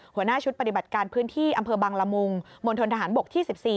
หัวหน้าชุดปฏิบัติการพื้นที่อำเภอบังละมุงมณฑนทหารบกที่๑๔